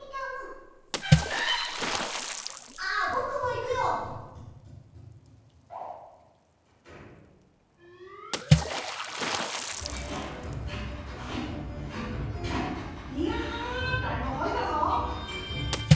いやはだいぶほれたぞ。